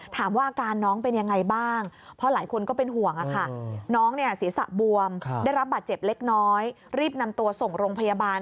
อาการน้องเป็นยังไงบ้างเพราะหลายคนก็เป็นห่วงน้องเนี่ยศีรษะบวมได้รับบาดเจ็บเล็กน้อยรีบนำตัวส่งโรงพยาบาล